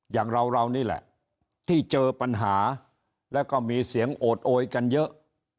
อย่างเราเรานี่แหละที่เจอปัญหาแล้วก็มีเสียงโอดโอยกันเยอะ